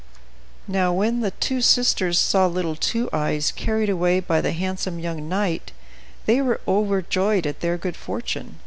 Now, when the two sisters saw little Two Eyes carried away by the handsome young knight, they were overjoyed at their good fortune.